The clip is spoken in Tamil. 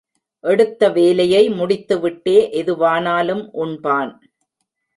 எடுத்த வேலையை முடித்துவிட்டே எதுவானாலும் உண்பான்.